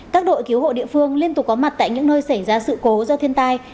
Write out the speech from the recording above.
các đội cứu hộ địa phương liên tục có mặt tại những nơi xảy ra sự cố do thiên tai